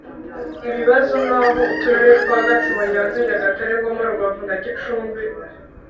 ibibazo Naho Uturere twa Gatsibo Nyanza Nyagatare Ngoma Rubavu na Gicumbi